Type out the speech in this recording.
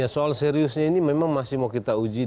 soal seriusnya ini memang masih mau kita uji